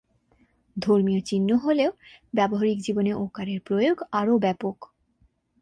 ধর্মীয় চিহ্ন হলেও ব্যবহারিক জীবনে ওঁ-কারের প্রয়োগ আরও ব্যাপক।